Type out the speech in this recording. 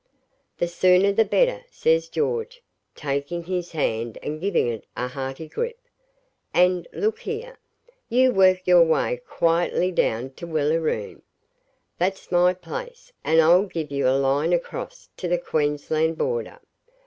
'The sooner the better,' says George, taking his hand and giving it a hearty grip. 'And, look here, you work your way quietly down to Willaroon. That's my place, and I'll give you a line across to the Queensland border.